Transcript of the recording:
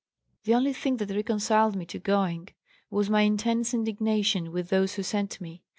The only thing that reconciled me to going was my intense indignation with those who sent me.